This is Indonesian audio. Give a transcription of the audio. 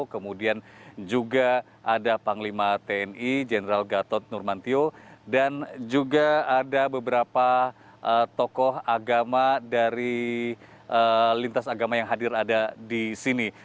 kemudian juga ada panglima tni jenderal gatot nurmantio dan juga ada beberapa tokoh agama dari lintas agama yang hadir ada di sini